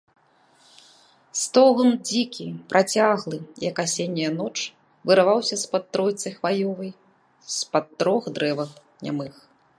Стогн дзікі, працяглы, як асенняя ноч, вырываўся з-пад тройцы хваёвай, з-пад трох дрэваў нямых.